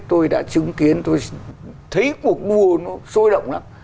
tôi đã chứng kiến tôi thấy cuộc đua nó sôi động lắm